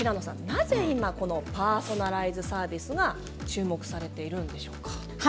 なぜパーソナライズサービスが注目されているんでしょうか。